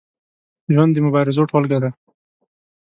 ژوند د مبارزو ټولګه ده.